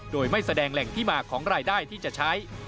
โดยไม่แสดงแหล่งที่มาของรายได้ที่จะใช้